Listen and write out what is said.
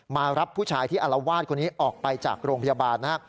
มารับผู้ชายที่อารวาสคนนี้ออกไปจากโรงพยาบาลนะครับ